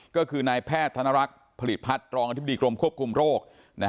ก็คือนายแพทย์ธนรักษ์ผลิตพัฒน์รองอธิบดีกรมควบคุมโรค